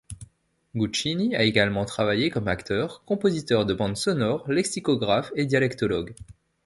Guccini a également travaillé comme acteur, compositeur de bandes sonores, lexicographe et dialectologue.